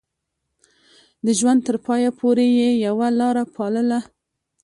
د ژوند تر پايه پورې يې يوه لاره پالله.